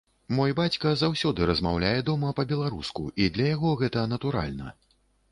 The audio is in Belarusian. Мой бацька заўсёды размаўляе дома па-беларуску, і для яго гэта натуральна.